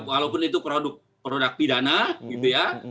walaupun itu produk pidana gitu ya